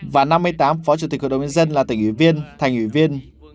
và năm mươi tám phó chủ tịch hội đồng nhân dân là tỉnh ủy viên thành ủy viên